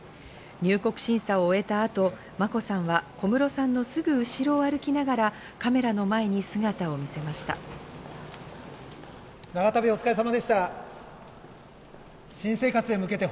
入国審査を終えたあと眞子さんは小室さんのすぐ後ろを歩きながらカメラの前に姿を見せました。